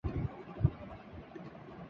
وہ اپنے شوہر سے قریب کھڑی رہی